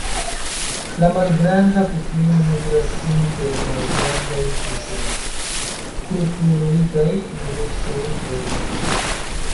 La Malgranda pufino nutras sin per malgrandaj fiŝoj, krustuloj kaj moluskoj, vermoj.